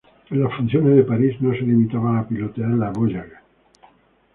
Las funciones de Paris no se limitaban a pilotear la "Voyager".